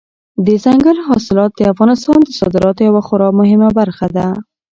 دځنګل حاصلات د افغانستان د صادراتو یوه خورا مهمه برخه ده.